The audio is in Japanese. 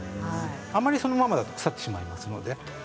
あまりそのままだと腐ってしまいますので。